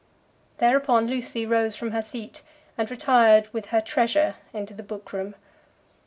Thereupon Lucy rose from her seat, and retired with her treasure into the book room.